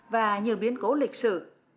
và nhiều biến cố lịch sử